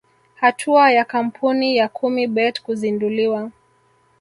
Hatua ya kampuni ya kumi bet kuzinduliwa